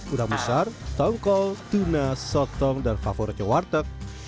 udang musar tongkol tuna sotong dan favorit cowartek